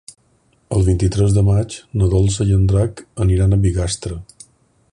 El vint-i-tres de maig na Dolça i en Drac aniran a Bigastre.